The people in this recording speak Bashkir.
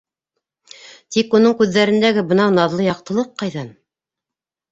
Тик уның күҙҙәрендәге бынау наҙлы яҡтылыҡ ҡайҙан?